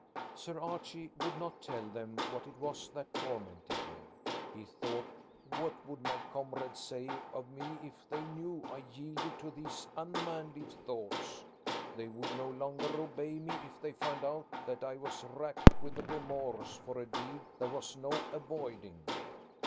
Sir Archie would not tell them what it was that tormented him. He thought: "What would my comrades say of me if they knew I yielded to these unmanly thoughts? They would no longer obey me if they found out that I was racked with remorse for a deed there was no avoiding."